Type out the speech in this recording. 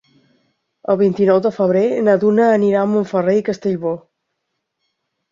El vint-i-nou de febrer na Duna anirà a Montferrer i Castellbò.